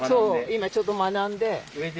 今ちょっと学んで。